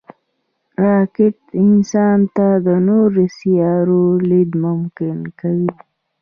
راکټ انسان ته د نورو سیارو لید ممکن کوي